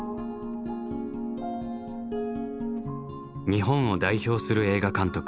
日本を代表する映画監督